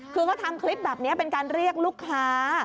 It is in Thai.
คือก็ทำคลิปแบบนี้เป็นการเรียกลูกค้า